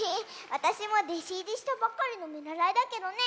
わたしもでしいりしたばかりのみならいだけどね。